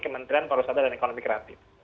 kementerian pariwisata dan ekonomi kreatif